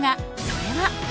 それは。